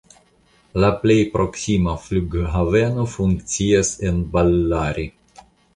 La plej proksima flughaveno funkcias en Ballari.